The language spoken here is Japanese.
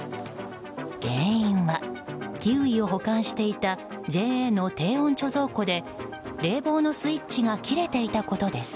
原因はキウイを保管していたＪＡの低温貯蔵庫で冷房のスイッチが切れていたことです。